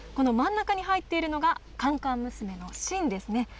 この真ん中に入っているのが、甘々娘の芯ですね。